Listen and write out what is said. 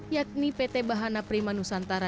yakni pt bahan napri manusantara